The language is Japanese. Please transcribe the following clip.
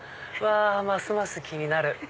ますます気になる！